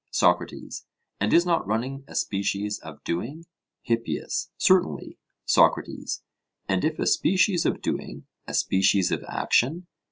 SOCRATES: And is not running a species of doing? HIPPIAS: Certainly. SOCRATES: And if a species of doing, a species of action?